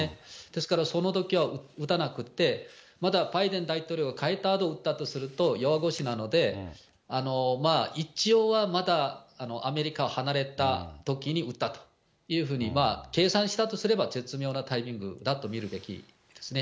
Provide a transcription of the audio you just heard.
ですからそのときは撃たなくって、まだバイデン大統領が帰ったあと撃ったとすると、弱腰なので、一応はまだアメリカを離れたときに撃ったというふうに計算したとすれば絶妙なタイミングだと見るべきですね。